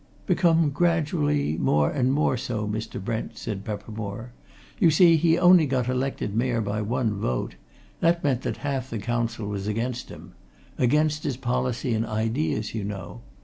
"Become gradually more and more so, Mr. Brent," said Peppermore. "You see, he only got elected Mayor by one vote. That meant that half the Council was against him. Against his policy and ideas, you know.